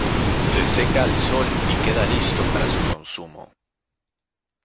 Se seca al sol y queda listo para su consumo.